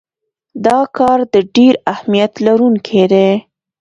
دا کار د ډیر اهمیت لرونکی دی.